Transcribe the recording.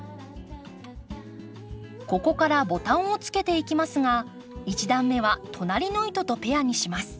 ここからボタンをつけていきますが１段目は隣の糸とペアにします。